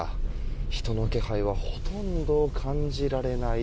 人の気配はほとんど感じられない